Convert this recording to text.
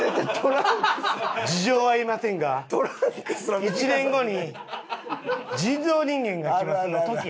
「事情は言えませんが１年後に人造人間が来ます」の時やねん。